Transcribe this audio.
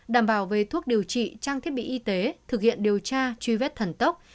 đảm bảo về thuốc điều trị trang thiết bị y tế thực hiện điều tra truy vết thần tốc